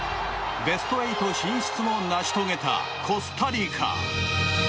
ベスト８進出も成し遂げたコスタリカ。